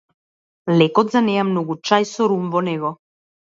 Лекот за неа е многу чај со рум во него.